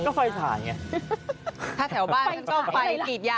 ก็ไฟฉายไง